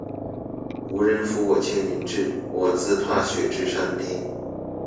无人扶我青云志，我自踏雪至山巅。